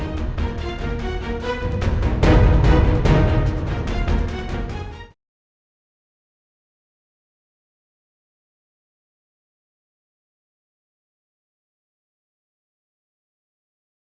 coverage saat tante tanya dipuat lempar segelit tanya